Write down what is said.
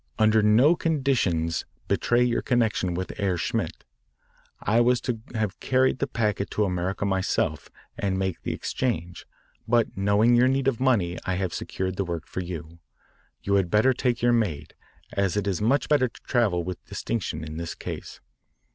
Under no conditions betray your connection with Herr Schmidt. I was to have carried the packet to America myself and make the exchange but knowing your need of money I have secured the work for you. You had better take your maid, as it is much better to travel with distinction in this case.